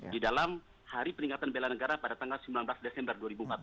di dalam hari peningkatan bela negara pada tanggal sembilan belas desember dua ribu empat belas